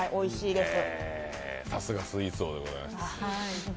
さすがスイーツ王でございます。